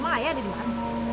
emang ayah ada dimana